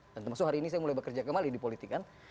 dan termasuk hari ini saya mulai bekerja kembali di politikan